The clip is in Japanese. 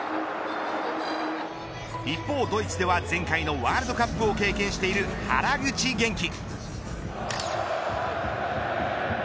一方ドイツでは前回のワールドカップを経験している原口元気。